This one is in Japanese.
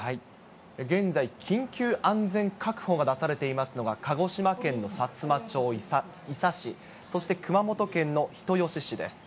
現在、緊急安全確保が出されていますのが、鹿児島県のさつま町、伊佐市、そして熊本県の人吉市です。